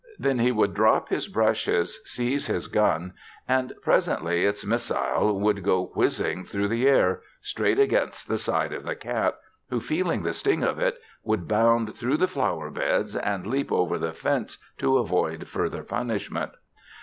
Then he would drop his brushes, seize his gun and presently its missile would go whizzing through the air, straight against the side of the cat, who, feeling the sting of it, would bound through the flower beds and leap over the fence to avoid further punishment.